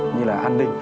như là an ninh